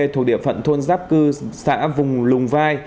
thuộc địa phận thôn giáp cư xã vùng lùng vai